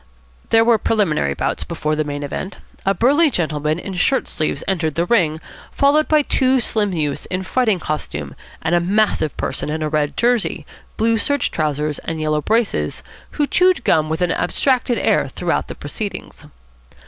There were preliminary bouts before the main event. A burly gentleman in shirt sleeves entered the ring, followed by two slim youths in fighting costume and a massive person in a red jersey, blue serge trousers, and yellow braces, who chewed gum with an abstracted air throughout the proceedings.